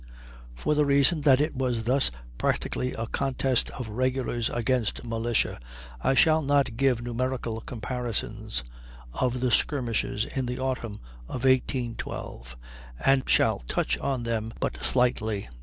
For the reason that it was thus practically a contest of regulars against militia, I shall not give numerical comparisons of the skirmishes in the autumn of 1812, and shall touch on them but slightly.